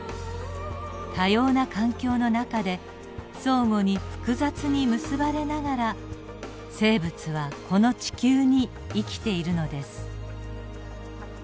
多様な環境の中で相互に複雑に結ばれながら生物はこの地球に生きているのです。